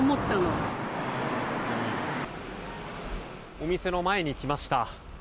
お店の前に来ました。